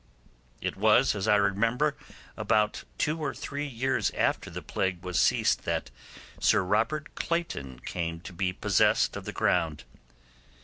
It was, as I remember, about two or three years after the plague was ceased that Sir Robert Clayton came to be possessed of the ground.